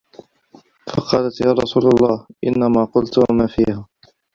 فَقَالَتْ يَا رَسُولَ اللَّهِ إنَّمَا قُلْت مَا فِيهَا